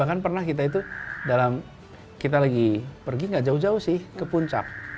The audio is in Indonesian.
bahkan pernah kita itu dalam kita lagi pergi gak jauh jauh sih ke puncak